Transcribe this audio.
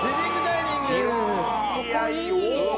いやいやお！